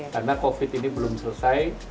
karena covid ini belum selesai